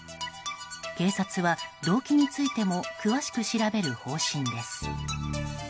警察は動機についても詳しく調べる方針です。